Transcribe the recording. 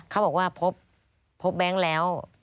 เขาบอกว่าพบแบงค์แล้ว